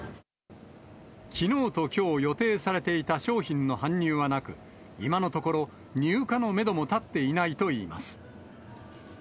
きのうときょう予定されていた商品の搬入はなく、今のところ、入荷のメドも立っていないといいます。